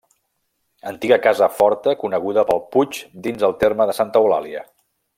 Antiga casa forta coneguda pel Puig dins el terme de Santa eulàlia.